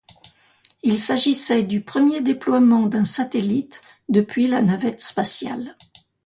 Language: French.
Il s'agissait du premier déploiement d'un satellite depuis la navette spatiale.